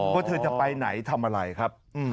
ว่าเธอจะไปไหนทำอะไรครับ